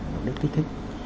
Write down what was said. động đất kích thích